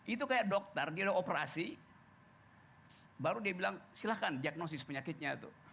itu kayak dokter dia udah operasi baru dia bilang silahkan diagnosis penyakitnya tuh